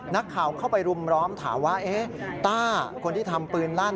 นักข่าวเข้าไปรุมร้อมถามว่าต้าคนที่ทำปืนลั่น